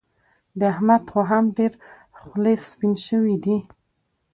د احمد خو هم ډېر خلي سپين شوي دي.